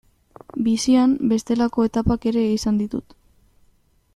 Bizian bestelako etapak ere izan ditut.